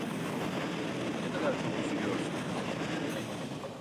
Ne kadar çok üzülüyorsun kızım!